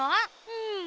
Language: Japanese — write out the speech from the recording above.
うん。